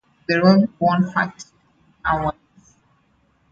The role won her two Emmy Awards.